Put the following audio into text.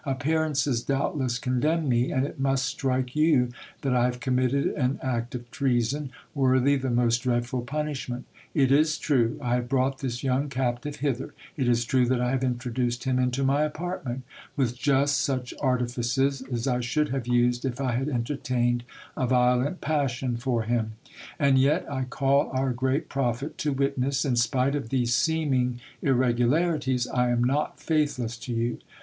Appearances, doubtless, condemn me ; and it must strike you that I have committed an act of treason, worthy the most dreadful punish ments. It is true, I have brought this young captive hither ; it is true that I have introduced him into my apartment, with just such artifices as I should have used if I had entertained a violent passion for him. And yet, I call our great prophet to witness, in spite of these seeming irregularities, I am not faithless to you.